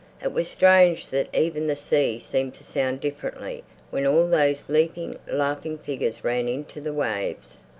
It was strange that even the sea seemed to sound differently when all those leaping, laughing figures ran into the waves.